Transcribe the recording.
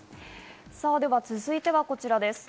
続いてはこちらです。